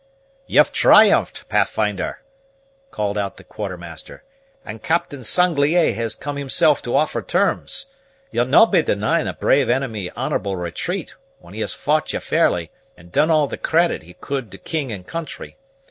"You've triumphed, Pathfinder," called out the Quartermaster, "and Captain Sanglier has come himself to offer terms. You'll no' be denying a brave enemy honorable retreat, when he has fought ye fairly, and done all the credit he could to king and country.